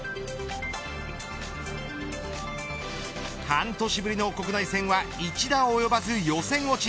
半年ぶりの国内戦は１打及ばず予選落ち。